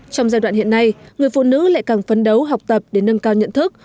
trong giai đoạn hiện nay người phụ nữ lại càng phấn đấu học tập để nâng cao nhận thức